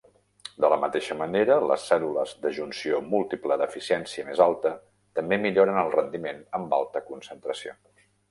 De la mateixa manera, les cèl·lules de junció múltiple d'eficiència més alta també milloren el rendiment amb alta concentració.